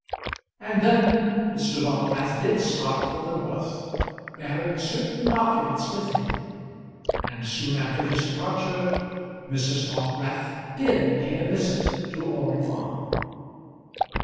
And then Mr. Dockwrath did start for the north, bearing certain documents with him; and soon after his departure Mrs. Dockwrath did pay a visit to Orley Farm.